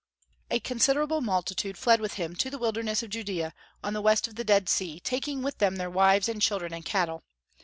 A considerable multitude fled with him to the wilderness of Judaea, on the west of the Dead Sea, taking with them their wives and children and cattle.